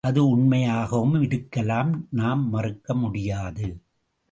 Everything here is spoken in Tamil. அது உண்மையாகவும் இருக்கலாம் நாம் மறுக்க முடியாது.